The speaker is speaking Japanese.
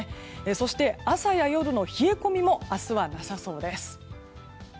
そして朝や夜の冷え込みも明日は、なさそうです。